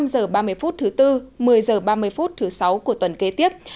một mươi năm giờ ba mươi phút thứ tư một mươi giờ ba mươi phút thứ sáu của tuần kế tiếp